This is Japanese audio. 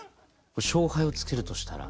勝敗をつけるとしたら？